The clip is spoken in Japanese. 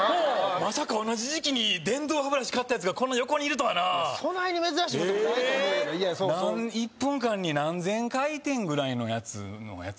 まさか同じ時期に電動歯ブラシ買ったやつがこんな横にいるとはなそないに珍しいことでもないと思うけどいやそうそう１分間に何千回転ぐらいのやつのやつ？